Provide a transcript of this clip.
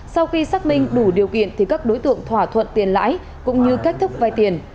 sau khi xác minh đủ điều kiện thì các đối tượng thỏa thuận tiền lãi cũng như cách thức vay tiền